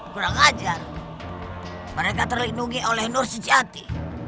kurang ajar mereka terlindungi oleh nur sejati